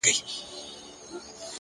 وخت د ژوند د ارزښت اندازه ده,